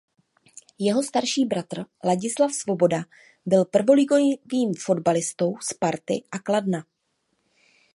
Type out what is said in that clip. Jeho starší bratr Ladislav Svoboda byl prvoligovým fotbalistou Sparty a Kladna.